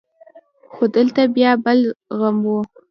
خو دلته بيا بل غم و.